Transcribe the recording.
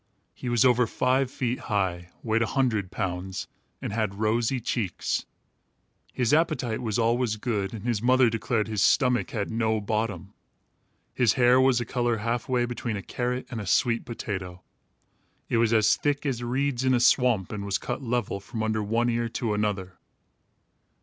He was over five feet high, weighed a hundred pounds, and had rosy cheeks. His appetite was always good and his mother declared his stomach had no bottom. His hair was of a color half way between a carrot and a sweet potato. It was as thick as reeds in a swamp and was cut level, from under one ear to another.